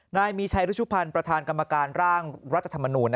นายมีชัยรุชุพันธ์ประธานกรรมการร่างรัฐธรรมนูญ